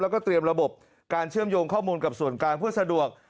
แล้วก็เตรียมระบบการเชื่อมโยงข้อมูลกับส่วนกลางเพื่อสะดวก